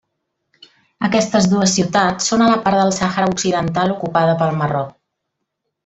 Aquestes dues ciutats són a la part del Sàhara Occidental ocupada pel Marroc.